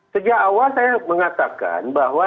sejak awal saya mengatakan bahwa